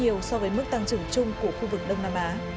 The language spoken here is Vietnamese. nhiều hơn nhiều so với mức tăng trưởng chung của khu vực đông nam á